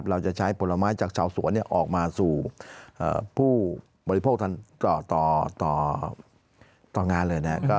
เราจะใช้ผลไม้จากชาวสวนออกมาสู่ผู้บริโภคต่องานเลยนะครับ